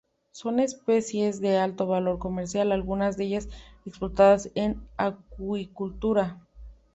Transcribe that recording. Son especies de alto valor comercial, algunas de ellas explotadas en acuicultura.